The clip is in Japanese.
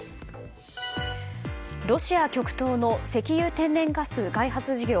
ロシア極東の石油・天然ガス開発事業